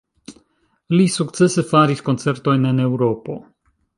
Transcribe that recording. Li sukcese faris koncertojn en Eŭropo.